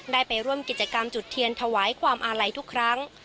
ได้ไปร่วมกิจกรรมจุดเทียนถวายความอาลัยทุกครั้ง